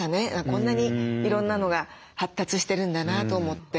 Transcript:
こんなにいろんなのが発達してるんだなと思って。